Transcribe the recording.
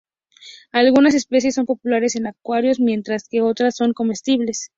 Algunas especies son populares en acuarios mientras que otras son comestibles.